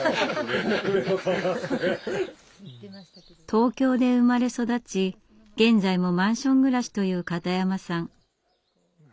東京で生まれ育ち現在もマンション暮らしという片山さん。